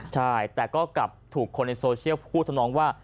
ใช่แต่ก็กลับถูกคนในโซเชียลพูดทำนองว่า